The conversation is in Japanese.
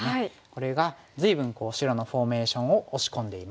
これが随分白のフォーメーションを押し込んでいます。